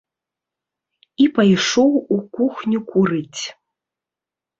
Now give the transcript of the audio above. І пайшоў у кухню курыць.